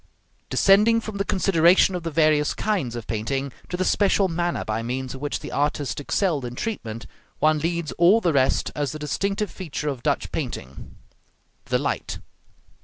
Descending from the consideration of the various kinds of painting, to the special manner by means of which the artist excelled in treatment, one leads all the rest as the distinctive feature of Dutch painting the light.